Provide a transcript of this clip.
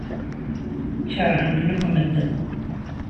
Keṛhen-ken akk medden.